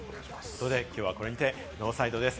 きょうはこれにてノーサイドです。